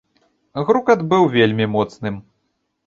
Грукат быў вельмі моцным.